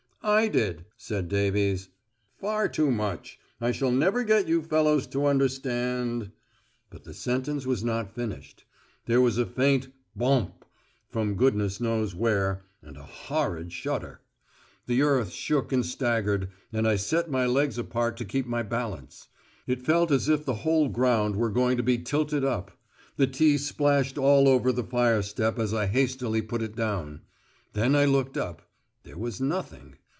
"I did," said Davies. "Far too much. I shall never get you fellows to understand ..." But the sentence was not finished. There was a faint "Bomp" from goodness knows where, and a horrid shudder. The earth shook and staggered, and I set my legs apart to keep my balance. It felt as if the whole ground were going to be tilted up. The tea splashed all over the fire step as I hastily put it down. Then I looked up. There was nothing.